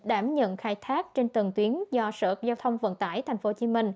đảm nhận khai thác trên từng tuyến do sở giao thông vận tải tp hcm